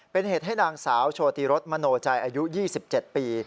เป็นเหตุให้นางสาวโชติรสมโนใจอายุ๒๗ปี